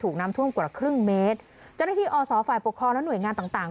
ถูกนำท่วมกว่าครึ่งเมตรจนที่อศฝ่ายปกครรภ์และหน่วยงานต่างต่าง